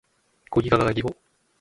ゴギガガガギゴ